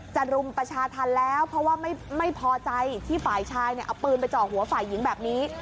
รุมประชาธรรมแล้วเพราะว่าไม่พอใจที่ฝ่ายชายเอาปืนไปเจาะหัวฝ่ายหญิงแบบนี้